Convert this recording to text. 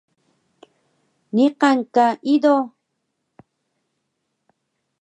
Niqan ka ido?